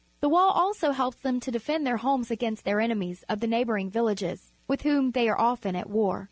The wall also helps them to defend their homes against their enemies of the neighbouring villages, with whom they are often at war.